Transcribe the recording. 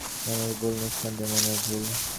মনের ভুল, নিঃসন্দেহে মনের ভুল।